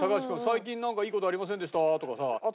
最近なんかいい事ありませんでした？とかさ。